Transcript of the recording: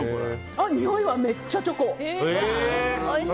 においはめっちゃチョコ。